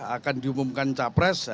akan diumumkan capres